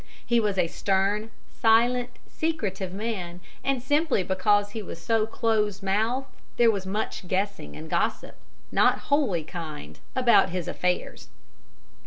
He was a stern, silent, secretive man, and simply because he was so close mouthed there was much guessing and gossip, not wholly kind, about his affairs.